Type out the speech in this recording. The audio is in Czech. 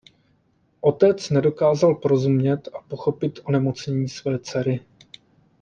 Otec nedokázal porozumět a pochopit onemocnění své dcery.